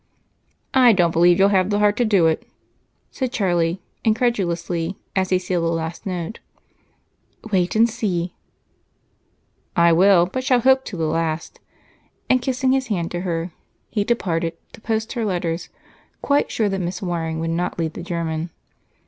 "I don't believe you'll have the heart to do it," said Charlie incredulously as he sealed the last note. "Wait and see." "I will, but I shall hope to the last." And kissing his hand to her, he departed to post her letters, quite sure that Miss Waring would not lead the German.